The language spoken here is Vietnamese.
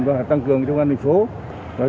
và tăng cường cho quán hữu phí minh